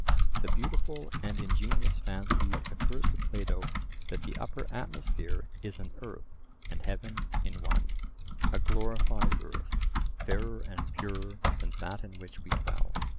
The beautiful and ingenious fancy occurs to Plato that the upper atmosphere is an earth and heaven in one, a glorified earth, fairer and purer than that in which we dwell.